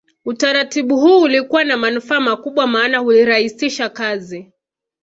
Utaratibu huu ulikuwa na manufaa makubwa maana ulirahisisha kazi